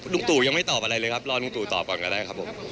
ตู่ยังไม่ตอบอะไรเลยครับรอลุงตู่ตอบก่อนก็ได้ครับผม